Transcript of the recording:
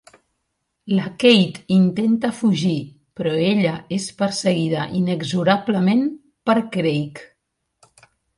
La Kate intenta fugir, però ella és perseguida inexorablement per Craig.